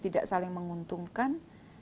tidak saling menguntungkan